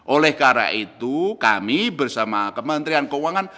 oleh karena itu kami bersama kementerian keuangan